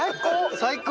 最高！